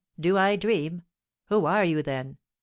Do I dream? Who are you, then?